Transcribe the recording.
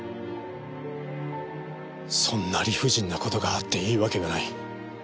そんな理不尽な事があっていいわけがない。